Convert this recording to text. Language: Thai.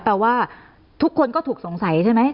แต่ว่าทุกคนก็ถูกสงสัยใช่ไหม